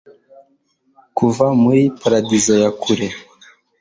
Kuva muri paradizo ya kure